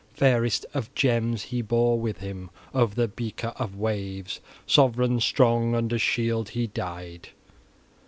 Fairest of gems he bore with him over the beaker of waves, sovran strong: under shield he died.